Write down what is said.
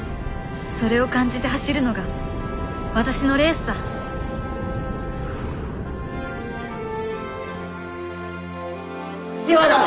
それを感じて走るのが私のレースだ・今だ！